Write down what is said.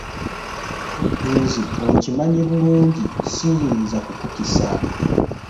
Nze okimanyi bulungi ssiyinza kukukisa.